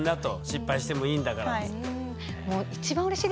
失敗してもいいんだからっつって。